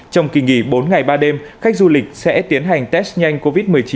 trong kỳ nghỉ bốn ngày ba đêm khách du lịch sẽ tiến hành test nhanh covid một mươi chín